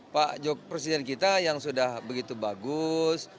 pak presiden kita yang sudah begitu bagus